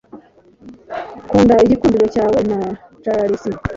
nkunda igikundiro cyawe na charisma